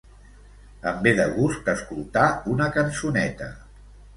Em ve de gust escoltar una cançoneta.